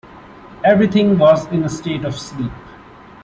Everything was in a state of sleep.